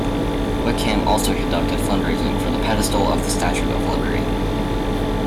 Wickham also conducted fundraising for the pedestal of the Statue of Liberty.